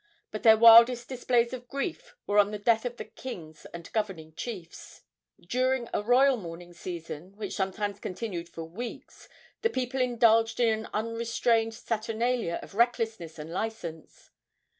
But their wildest displays of grief were on the death of their kings and governing chiefs. During a royal mourning season, which sometimes continued for weeks, the people indulged in an unrestrained saturnalia of recklessness and license.